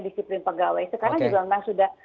disiplin pegawai sekarang juga memang sudah